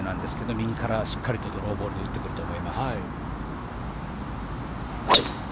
右からしっかりとドローボールで打ってくると思います。